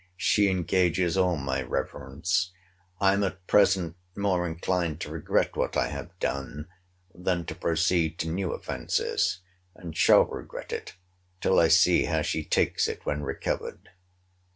She engages all my reverence. I am at present more inclined to regret what I have done, than to proceed to new offences: and shall regret it till I see how she takes it when recovered.